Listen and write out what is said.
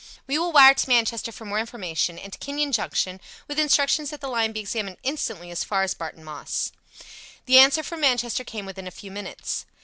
We will wire to Manchester for more information, and to Kenyon Junction with instructions that the line be examined instantly as far as Barton Moss." The answer from Manchester came within a few minutes.